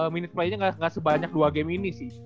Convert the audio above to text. minute play nya nggak sebanyak dua game ini sih